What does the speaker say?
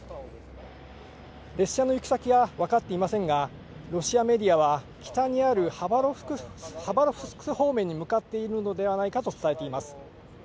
列車の行き先は分かっていませんが、ロシアメディアは、北にあるハバロフスク方面に向かっているのではないかと伝えています。